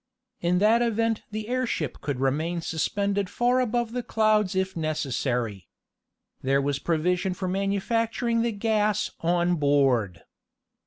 In that event the airship could remain suspended far above the clouds if necessary. There was provision for manufacturing the gas on board.